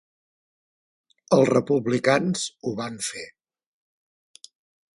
Els Republicans ho van fer.